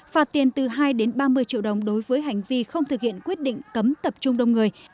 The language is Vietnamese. phạt tiền từ hai ba mươi triệu đồng đối với hành vi không thực hiện quyết định cấm tập trung đông người